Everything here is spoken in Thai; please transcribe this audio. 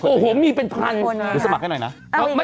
ก็ตามไปเพื่อเขาสมัครมากกว่านี้